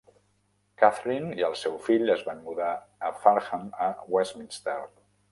Catherine i el seu fill es van mudar de Farnham a Westminster.